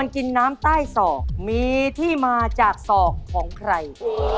กินน้ำใต้ศอกมีที่มาจากศอกของใคร